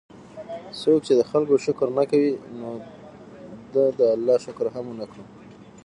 څوک چې د خلکو شکر نه کوي، نو ده د الله شکر هم ونکړو